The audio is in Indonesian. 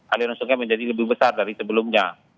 aliran sungai menjadi lebih besar dari sebelumnya